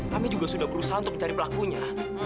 kami juga sudah berusaha untuk mencari pelakunya